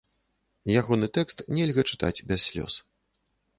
Ягоны тэкст нельга чытаць без слёз.